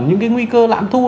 những nguy cơ lạm thu